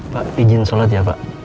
pak izin sholat ya pak